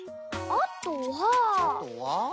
あとは？